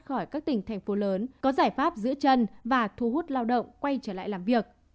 khỏi các tỉnh thành phố lớn có giải pháp giữ chân và thu hút lao động quay trở lại làm việc